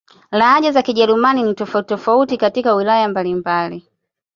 Lahaja za Kijerumani ni tofauti-tofauti katika wilaya mbalimbali.